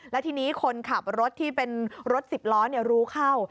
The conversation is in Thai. และทีนี้คนขับรถที่เป็นรถสิบล้อรู้เข้า